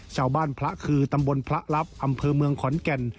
พระคือตำบลพระลับอำเภอเมืองขอนแก่น